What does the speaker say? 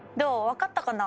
分かったかな？